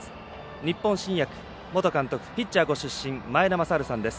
日本新薬元監督ピッチャーご出身前田正治さんです。